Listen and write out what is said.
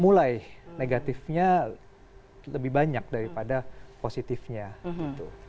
mulai negatifnya lebih banyak daripada positifnya gitu